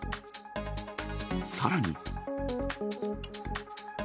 さらに。